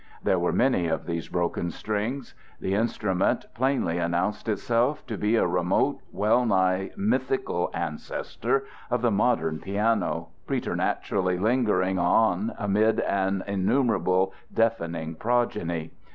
There were many of these broken strings. The instrument plainly announced itself to be a remote, well nigh mythical ancestor of the modern piano, preternaturally lingering on amid an innumerable deafening progeny.